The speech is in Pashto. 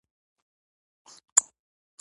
که د ايمان د قوت په هکله شواهد غواړئ.